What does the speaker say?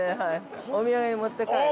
◆お土産に持って帰る？